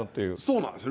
そうなんです。